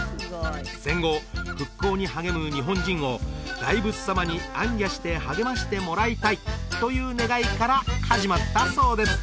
戦後復興に励む日本人を大仏様に行脚して励ましてもらいたいという願いから始まったそうです